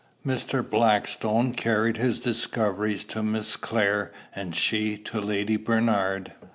Mr. Blackstone carried his discoveries to Miss Clare and she to Lady Bernard.